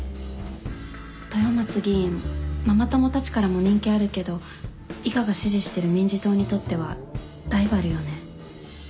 豊松議員ママ友たちからも人気あるけど伊賀が支持してる民事党にとってはライバルよね。